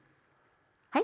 はい？